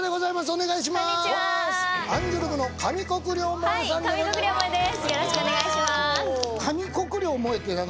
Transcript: お願いします。